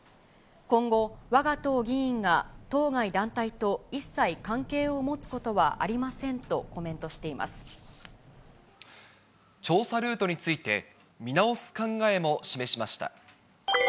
今後、わが党議員が当該団体と一切関係を持つことはありませんとコメン調査ルートについて、見直す考えも示しました。